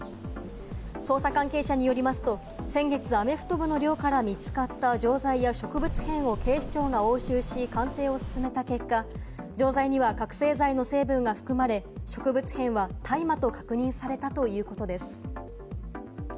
捜査関係者によりますと、先月、アメフト部の寮から見つかった錠剤や植物片を警視庁が押収し、鑑定を進めた結果、錠剤には覚醒剤の成分が含まれ、植物片は大麻と確認されたということです。